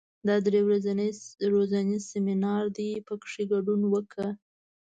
دا درې ورځنی روزنیز سیمینار دی، په کې ګډون وکړه.